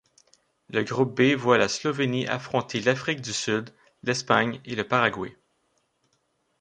Le Groupe B voit la Slovénie affronter l'Afrique du Sud, l'Espagne et le Paraguay.